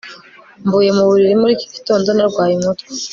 Mvuye mu buriri muri iki gitondo narwaye umutwe